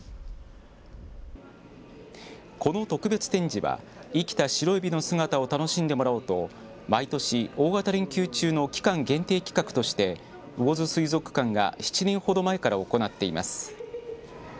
この特別展示は生きたシロエビの姿を楽しんでもらおうと毎年、大型連休中の期間限定企画として魚津水族館が７年ほど前から行っています。